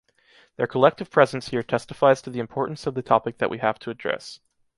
Their collective presence here testifies to the importance of the topic that we have to address.